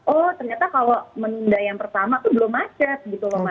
oh ternyata kalau menunda yang pertama tuh belum macet gitu loh mas